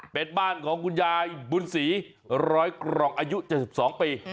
เป็นบ้านของคุณยายบุญศรีร้อยกรองอายุ๗๒ปี